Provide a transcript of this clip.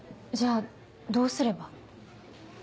じゃあどうすれば？